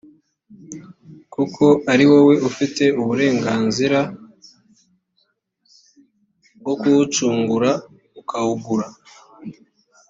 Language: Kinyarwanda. kuko ari wowe ufite uburenganzira bwo kuwucungura ukawugura